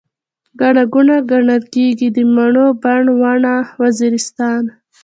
ګڼه ګوڼه، ګڼل کيږي، د مڼو بڼ، واڼه وزيرستان